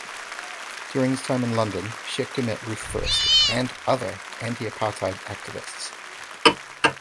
During his time in London, Schechter met Ruth First and other anti-apartheid activists.